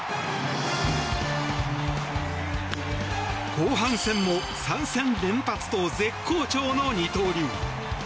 後半戦も３戦連発と絶好調の二刀流。